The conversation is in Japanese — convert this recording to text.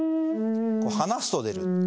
離すと出る。